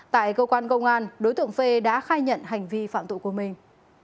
tại cơ quan công an đối tượng phê đã khai nhận hành vi phạm tội của mình